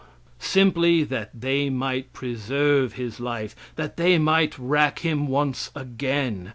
Simply that they might preserve his life, that they might rack him once again.